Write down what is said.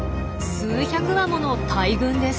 数百羽もの大群です。